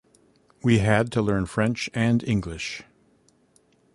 We had to learn French and English.